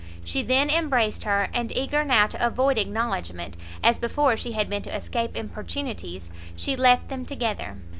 She then embraced her, and eager now to avoid acknowledgment, as before she had been to escape importunities, she left them together.